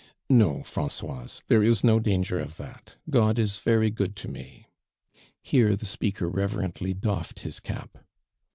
*'No, Francoiso, there is nr> danger of that. God is very good to me."' Here the speaker reverently dotted his cap.